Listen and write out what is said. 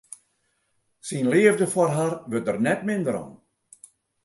Syn leafde foar har wurdt der net minder om.